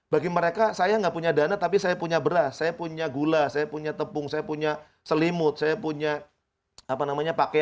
bagi mereka saya nggak punya dana tapi saya punya beras saya punya gula saya punya tepung saya punya selimut saya punya apa namanya pakaian